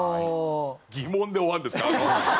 疑問で終わるんですか？